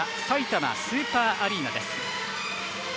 さいたまスーパーアリーナです。